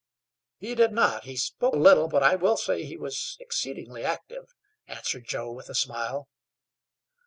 "He did not; he spoke little, but I will say he was exceedingly active," answered Joe, with a smile.